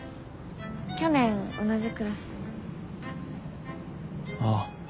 去年同じクラス。ああ。